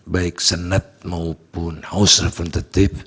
baik senat maupun house repentative